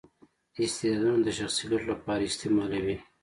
استعدادونه د شخصي ګټو لپاره استعمالوي.